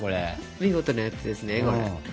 見事なやつですねこれ。